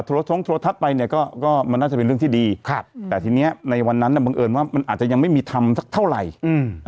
โลทงโทรทัศน์ไปเนี่ยก็ก็มันน่าจะเป็นเรื่องที่ดีครับแต่ทีเนี้ยในวันนั้นน่ะบังเอิญว่ามันอาจจะยังไม่มีทำสักเท่าไหร่อืม